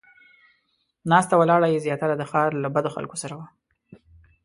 ناسته ولاړه یې زیاتره د ښار له بدو خلکو سره وه.